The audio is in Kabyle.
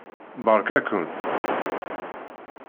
Beṛka-ken.